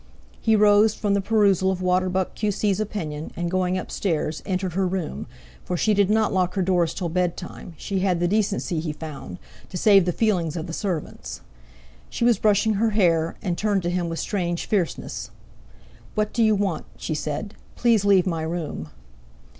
He rose from the perusal of Waterbuck, Q.C.'s opinion, and, going upstairs, entered her room, for she did not lock her doors till bed time—she had the decency, he found, to save the feelings of the servants. She was brushing her hair, and turned to him with strange fierceness. "What do you want?" she said. "Please leave my room!"